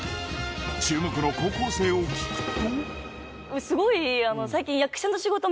注目の高校生を聞くと。